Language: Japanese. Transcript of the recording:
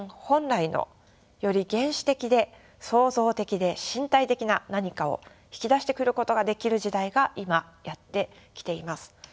本来のより原始的で創造的で身体的な何かを引き出してくることができる時代が今やって来ています。